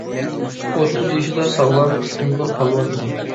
ئوتتۇز يېشىدا ساغلام، كۈچتۈڭگۈر پالۋان ئىدى.